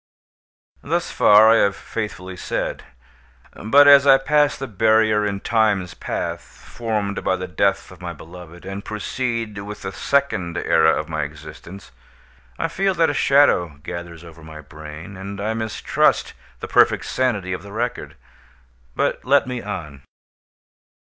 Thus far I have faithfully said. But as I pass the barrier in Time's path, formed by the death of my beloved, and proceed with the second era of my existence, I feel that a shadow gathers over my brain, and I mistrust the perfect sanity of the record. But let me on.